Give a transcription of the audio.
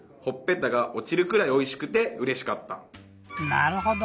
なるほど！